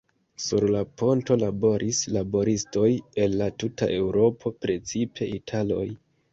Sur la ponto laboris laboristoj el la tuta Eŭropo, precipe italoj.